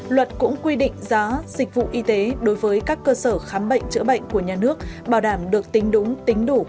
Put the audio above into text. luật cũng quy định giá dịch vụ y tế đối với các cơ sở khám bệnh chữa bệnh của nhà nước bảo đảm được tính đúng tính đủ